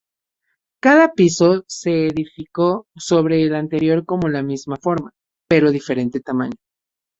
Cada piso se edificó sobre el anterior con la misma forma, pero diferente tamaño.